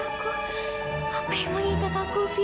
apa yang mengikat aku fi